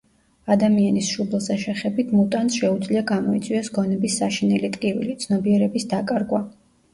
ადამიანის შუბლზე შეხებით მუტანტს შეუძლია გამოიწვიოს გონების საშინელი ტკივილი, ცნობიერების დაკარგვა.